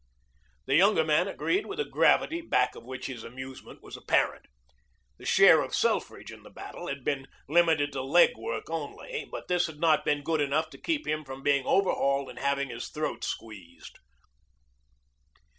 The younger man agreed with a gravity back of which his amusement was apparent. The share of Selfridge in the battle had been limited to leg work only, but this had not been good enough to keep him from being overhauled and having his throat squeezed.